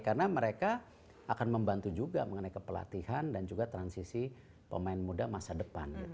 karena mereka akan membantu juga mengenai kepelatihan dan juga transisi pemain muda masa depan